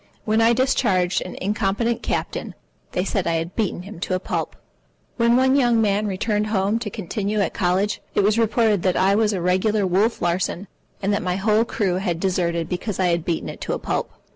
When I discharged an incompetent captain, they said I had beaten him to a pulp. When one young man returned home to continue at college, it was reported that I was a regular Wolf Larsen, and that my whole crew had deserted because I had beaten it to a pulp.